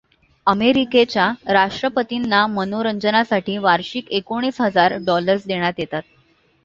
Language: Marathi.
अमेरिकेच्या राष्ट्रपतींना मनोरंजनासाठी वार्षिक एकोणीस हजार डॉलर्स देण्यात येतात.